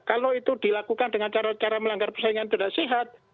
kalau itu dilakukan dengan cara cara melanggar persaingan tidak sehat